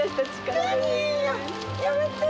やめてー。